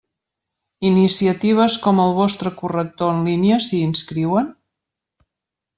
Iniciatives com el vostre corrector en línia s'hi inscriuen?